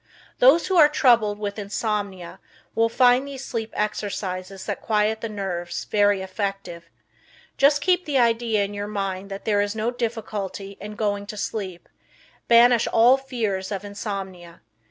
Those who are troubled with insomnia will find these sleep exercises that quiet the nerves very effective. Just keep the idea in your mind that there is no difficulty in going to sleep; banish all fear of insomnia.